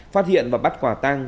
phát hiện và bắt quả tang